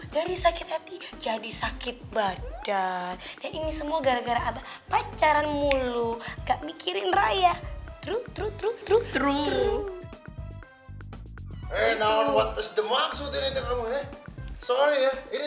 gini semua gara garapecially muluk afraid